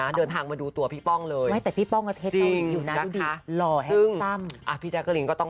เขาเหรอแจ๊กริงแจ๊กริงก็เชื่อแจ๊กริงแจ๊กริงแจ๊กริงแจ๊กริงแจ๊กริง